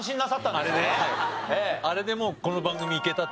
あれでもう。